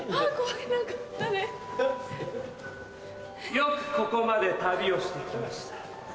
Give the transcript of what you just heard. よくここまで旅をして来ました。